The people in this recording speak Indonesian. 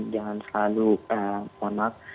jangan selalu mohon maaf